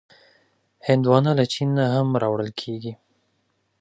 هندوانه له چین نه هم راوړل کېږي.